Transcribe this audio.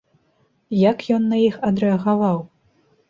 Як ён на іх адрэагаваў?